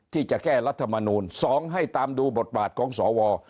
ที่จะแก้รัฐมนูล๒ให้ตามดูบทบาทของสว